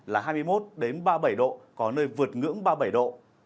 là hai mươi một ba mươi bảy độ có nơi vượt ngưỡng ba mươi bảy độ